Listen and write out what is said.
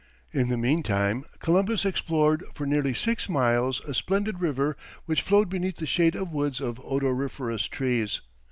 In the meantime, Columbus explored for nearly six miles a splendid river which flowed beneath the shade of woods of odoriferous trees.